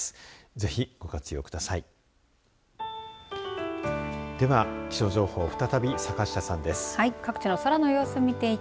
ぜひ、ご活用ください。